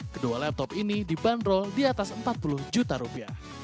kedua laptop ini dibanderol di atas empat puluh juta rupiah